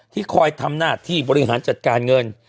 คอยทำหน้าที่บริหารจัดการเงิน